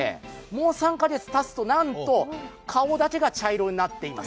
もう３カ月たつと、なんと顔だちが茶色になっていく。